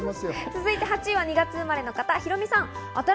続いて、８位は２月生まれの方、ヒロミさん。